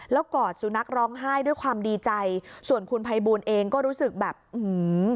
แล้วกอดสุนัขร้องไห้ด้วยความดีใจส่วนคุณภัยบูลเองก็รู้สึกแบบอื้อหือ